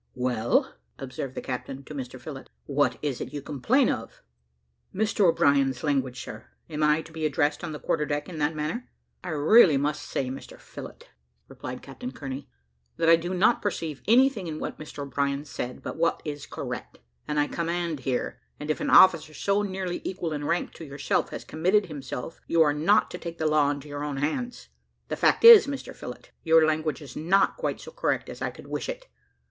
"Well," observed the captain to Mr Phillott, "what is it you complain of?" "Mr O'Brien's language, sir. Am I to be addressed on the quarter deck in that manner?" "I really must say, Mr Phillott," replied Captain Kearney, "that I do not perceive anything in what Mr O'Brien said, but what is correct. I command here; and if an officer so nearly equal in rank to yourself has committed himself, you are not to take the law into your own hands. The fact is, Mr Phillott, your language is not quite so correct as I could wish it.